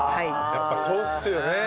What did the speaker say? やっぱそうっすよね。